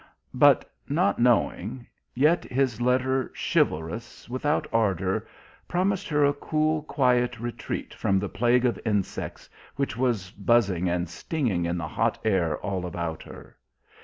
But not knowing, yet his letter, chivalrous, without ardour, promised her a cool, quiet retreat from the plague of insects which was buzzing and stinging in the hot air all about her....